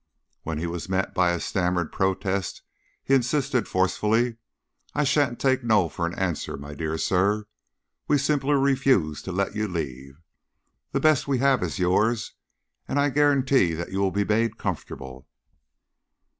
When he was met by a stammered protest, he insisted forcefully: "I sha'n't take 'no' for an answer, my dear sir; we simply refuse to let you leave. The best we have is yours, and I guarantee that you will be made comfortable."